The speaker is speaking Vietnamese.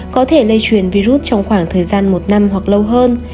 có thể lây truyền virus trong khoảng thời gian một năm hoặc lâu hơn